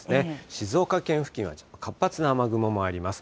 静岡県付近は活発な雨雲もあります。